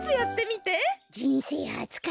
じんせいはつか。